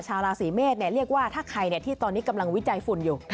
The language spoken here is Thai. ชาวราศีเมษเรียกว่าถ้าใครที่ตอนนี้กำลังวิจัยฝุ่นอยู่